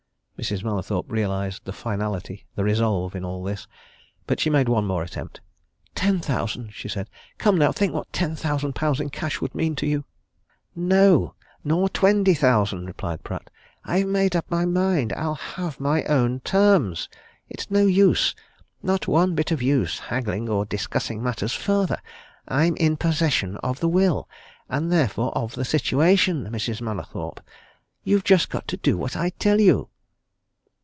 Mrs. Mallathorpe realized the finality, the resolve, in all this but she made one more attempt. "Ten thousand!" she said. "Come, now! think what ten thousand pounds in cash would mean to you!" "No nor twenty thousand," replied Pratt. "I've made up my mind. I'll have my own terms. It's no use not one bit of use haggling or discussing matters further. I'm in possession of the will and therefore of the situation, Mrs. Mallathorpe, you've just got to do what I tell you!"